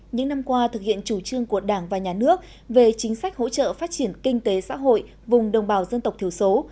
những năm qua thực hiện chủ trương của đảng và nhà nước về chính sách hỗ trợ phát triển kinh tế xã hội vùng đồng bào dân tộc thiểu số